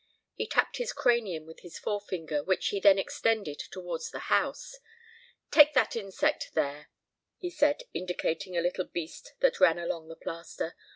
He tapped his cranium with his forefinger, which he then extended towards the house. "Take that insect there," he said, indicating a little beast that ran along the plaster.